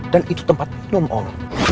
dan itu tempat minum om